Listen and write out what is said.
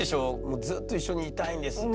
「ずっと一緒にいたいんです」と。